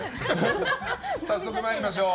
早速参りましょう。